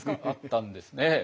あったんですね。